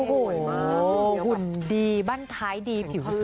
โอ้โหหุ่นดีบ้านท้ายดีผิวสวย